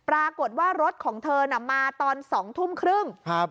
ปรากฏว่ารถของเธอน่ะมาตอน๒ทุ่มครึ่ง